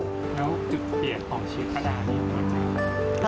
แล้วก็จุดเปลี่ยนของชีวิตขนาดนี่ยังวได้